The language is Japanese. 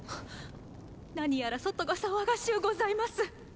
何やら外が騒がしゅうございます！